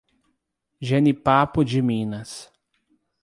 Jenipapo de Minas